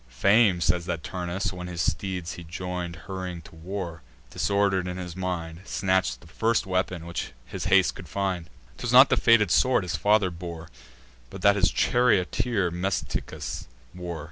Fame says that Turnus, when his steeds he join'd, Hurrying to war, disorder'd in his mind, Snatch'd the first weapon which his haste could find. 'Twas not the fated sword his father bore, But that his charioteer Metiscus wore.